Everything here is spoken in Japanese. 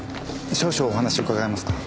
少々お話伺えますか。